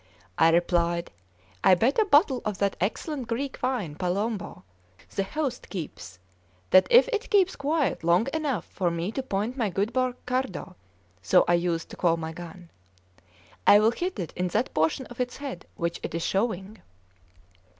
I replied: "I bet a bottle of that excellent Greek wine Palombo the host keeps, that if it keeps quiet long enough for me to point my good Broccardo (so I used to call my gun), I will hit it in that portion of its head which it is showing."